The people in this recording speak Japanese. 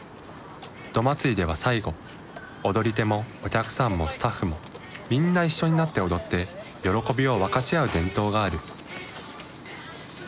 どまつりでは最後踊り手もお客さんもスタッフもみんな一緒になって踊って喜びを分かち合う伝統がある。